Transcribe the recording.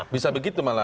bisa begitu malah